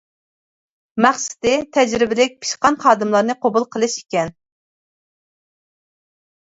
مەقسىتى: تەجرىبىلىك، پىشقان خادىملارنى قوبۇل قىلىش ئىكەن.